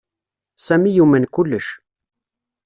Sami yumen kullec.